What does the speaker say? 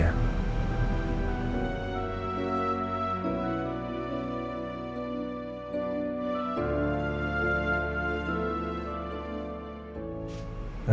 terima kasih pak